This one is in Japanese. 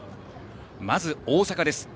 まず大阪です。